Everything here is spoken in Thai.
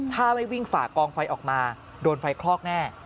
ถ้าไม่วิ่งฝ่ากองไฟออกมาโดนไฟคลอกแน่